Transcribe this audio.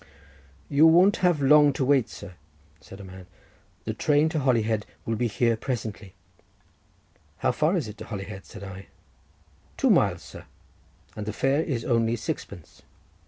"You won't have long to wait, sir," said a man—"the train to Holyhead will be here presently." "How far is it to Holyhead?" said I. "Two miles, sir, and the fare is only sixpence."